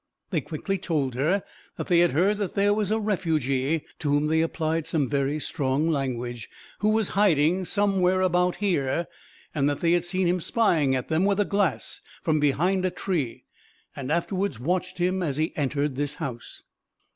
They quickly told her that they had heard that there was a refugee, to whom they applied some very strong language, who was hiding somewhere about here, and that they had seen him spying at them with a glass from behind a tree, and afterwards watched him as he entered this house.